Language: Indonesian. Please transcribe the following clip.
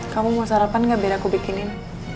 kamu mau sarapan gak biar aku bikinin